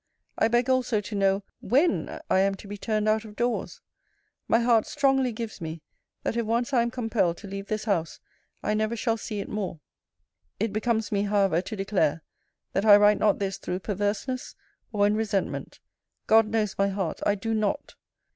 I beg also to know, WHEN I am to be turned out of doors! My heart strongly gives me, that if once I am compelled to leave this house, I never shall see it more. It becomes me, however, to declare, that I write not this through perverseness, or in resentment. God knows my heart, I do not!